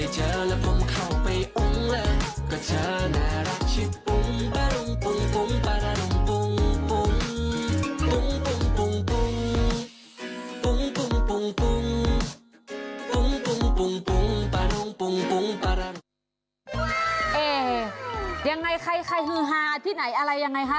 ยังไงใครฮือหายังไงไง